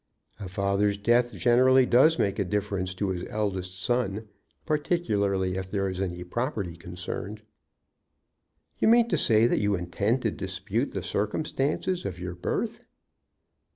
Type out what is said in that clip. "A father's death generally does make a difference to his eldest son, particularly if there is any property concerned." "You mean to say that you intend to dispute the circumstances of your birth?"